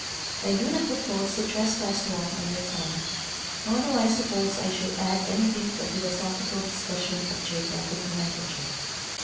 I do not propose to trespass long on your time, nor do I suppose I shall add anything to a philosophical discus sion of geographic nomenclature.